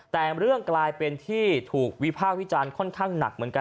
แต่เรื่องกลายเป็นที่ถูกวิภาควิจารณ์ค่อนข้างหนักเหมือนกัน